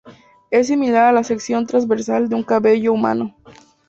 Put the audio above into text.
Es similar a la sección transversal de un cabello humano.